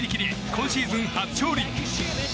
今シーズン初勝利。